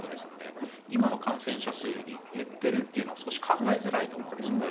今の感染者数より減っているというのは考えづらいと思います。